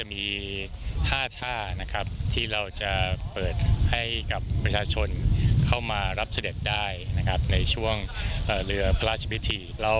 ที่สี่แห่งกรุงและท่านกครสินทร์